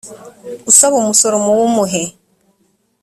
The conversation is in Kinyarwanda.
usaba umusoro muwumuhe